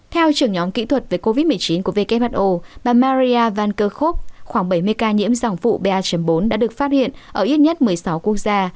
theo trưởng nhóm kỹ thuật về covid một mươi chín của who bà maria vankerkov khoảng bảy mươi ca nhiễm dòng vụ ba bốn đã được phát hiện ở ít nhất một mươi sáu quốc gia